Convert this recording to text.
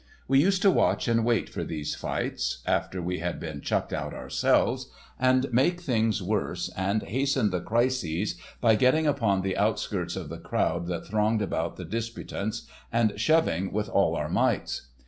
We used to watch and wait for these fights (after we had been chucked out ourselves), and make things worse, and hasten the crises by getting upon the outskirts of the crowd that thronged about the disputants and shoving with all our mights.